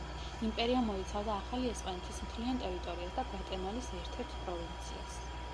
იმპერია მოიცავდა ახალი ესპანეთის მთლიან ტერიტორიას და გვატემალის ერთ-ერთ პროვინციას.